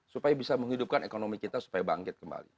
supaya bisa menghidupkan ekonomi kita supaya bangkit kembali